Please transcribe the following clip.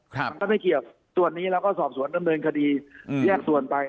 มันก็ไม่เกี่ยวส่วนนี้เราก็สอบสวนดำเนินคดีแยกส่วนไป